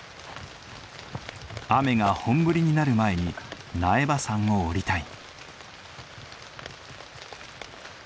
雨が本降りになる前に苗場山を下りたい。